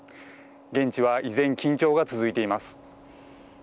現地は依然、緊張が続いています。